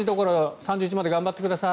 ３１日まで頑張ってください。